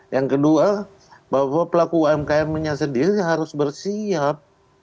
yang kedua bahwa pelaku umkm nya sendiri harus bersiap